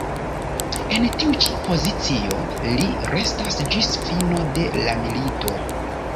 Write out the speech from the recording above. En tiu ĉi pozicio li restas ĝis fino de la milito.